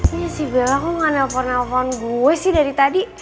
ya si bella kok gak nelfon nelfon gue sih dari tadi